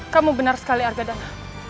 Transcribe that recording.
kamu benar sekali harga dana